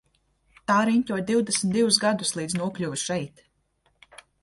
Tā riņķoja divdesmit divus gadus līdz nokļuva šeit.